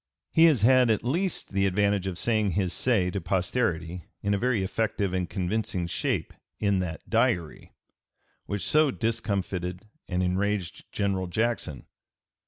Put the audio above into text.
He has had at least the advantage of saying his say to posterity in a very effective and convincing shape in that Diary, which so discomfited and enraged General Jackson.